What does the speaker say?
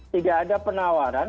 tidak ada penawaran